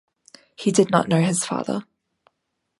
He did not know his father.